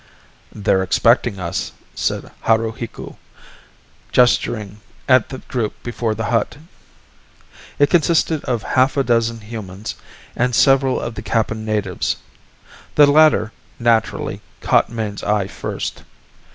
"They're expecting us," said Haruhiku, gesturing at the group before the hut. It consisted of half a dozen humans and several of the Kappan natives. The latter, naturally, caught Mayne's eye first.